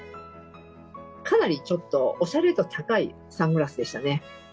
かなりちょっとおしゃれ度高いサングラスでしたね。